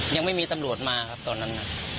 ยังไม่มีตำรวจมาครับตอนนั้น